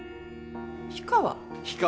氷川？